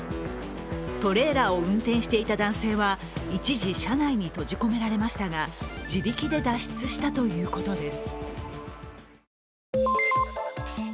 トレーラーを運転していた男性は一時車内に閉じ込められましたが、自力で脱出したということです。